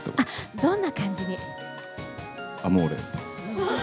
どんな感じに？